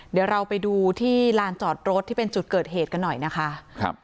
เดี๋ยวเราไปดูที่ลานจอดรถที่เป็นจุดเกิดเหตุกันหน่อยนะคะครับ